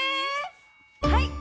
はい！